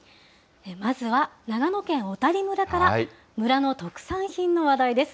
まずは長野県小谷村から、村の特産品の話題です。